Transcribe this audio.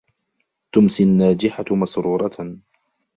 تُمْسِي النَّاجِحَةُ مَسْرُورَةً.